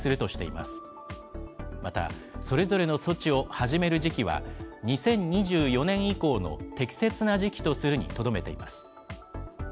また、それぞれの措置を始める時期は、２０２４年以降の適切な時期とするにとどめています。